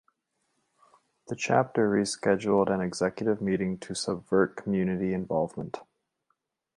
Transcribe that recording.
The chapter rescheduled an executive meeting to subvert community involvement.